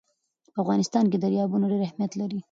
په افغانستان کې دریابونه ډېر اهمیت لري.